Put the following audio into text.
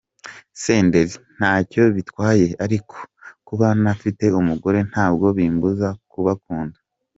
Senderi: Ntacyo bintwaye! Ariko kuba ntafite umugore ntabwo bimbuza kubakunda.